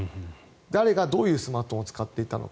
誰がどういうスマートフォンを使っていたのか。